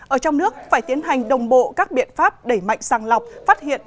ở trong nước phải tiến hành đồng bộ các biện pháp đẩy mạnh sang lọc phát hiện